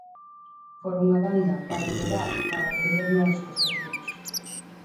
Por unha banda para probar, para aprender nós cos cativos.